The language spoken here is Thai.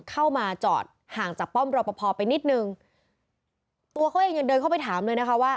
เข้ามาจอดห่างจากป้อมรอปภไปนิดนึงตัวเขาเองยังเดินเข้าไปถามเลยนะคะว่า